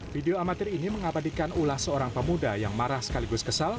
video amatir ini mengabadikan ulah seorang pemuda yang marah sekaligus kesal